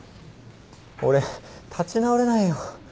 俺立ち直れないよ。